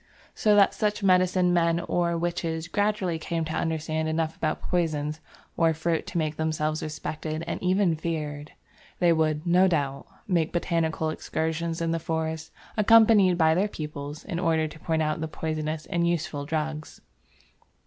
So that such medicine men or witches gradually came to understand enough about poisons or fruits to make themselves respected and even feared. They would, no doubt, make botanical excursions in the forest, accompanied by their pupils, in order to point out the poisonous and useful drugs.